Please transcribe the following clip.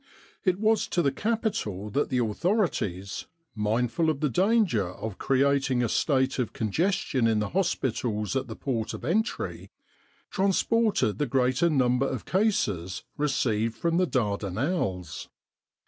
It was to the capital that the authorities mindful of the danger of creating a state of congestion in the hospitals at the port of entry transported the greater number of cases received from the Dardanelles.